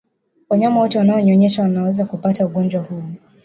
Wanyama wote wanaonyonyesha wanaweza kuapata ugonjwa huu